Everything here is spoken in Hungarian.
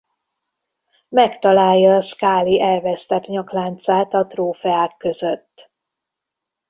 Megtalálja Scully elvesztett nyakláncát a trófeák között.